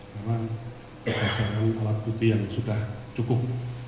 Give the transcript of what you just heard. karena perkesanan alat putih yang sudah cukup